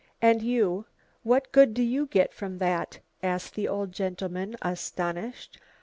"And you? what good do you get from that?" asked the old gentleman, astonished.